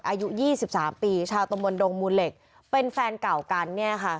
อายุยี่สิบสามปีชาวตมนต์ดงมูลเหล็กเป็นแฟนเก่ากันเนี่ยค่ะ